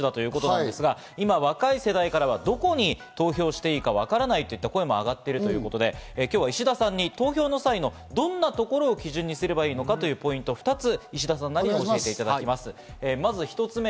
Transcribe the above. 今、若い世代から、どこに投票していいかわからないといった声も上がっているということで、今日は石田さんに投票の際のどういったところを基準にすればいいのかというポイントを２つ教えていただきます。